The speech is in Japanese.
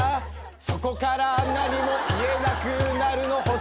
「そこから何も言えなくなるの星屑」